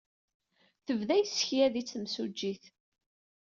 Tebda yessekyad-itt temsujjit.